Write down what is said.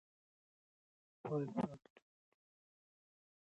د پېیر کوري تمرکز په ماري څېړنو و.